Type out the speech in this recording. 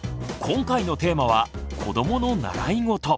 今回のテーマは子どもの習いごと。